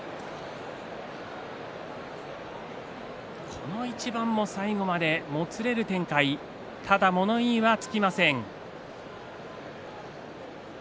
この一番も最後までもつれる展開物言いはつきません。